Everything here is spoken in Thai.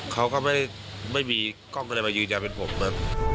เขาก็ไม่มีกล้องก็เลยมายืนอย่างเป็นผมนะ